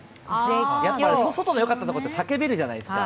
やっぱり外の良かったところって、叫べるじゃないですか。